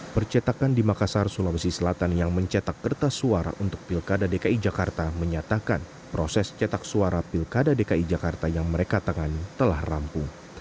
percetakan di makassar sulawesi selatan yang mencetak kertas suara untuk pilkada dki jakarta menyatakan proses cetak suara pilkada dki jakarta yang mereka tangani telah rampung